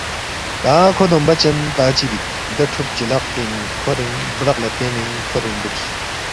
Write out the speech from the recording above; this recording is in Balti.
تا کھو دومبہ چن تا چِہ بیک دے ٹُھوب چلاق پِنگ کھورین برق لہ تیان٘ین کھورین دُوکس